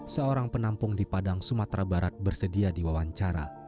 seorang penampung di padang sumatera barat bersedia diwawancara